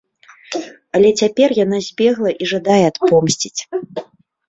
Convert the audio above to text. Але цяпер яна збегла і жадае адпомсціць.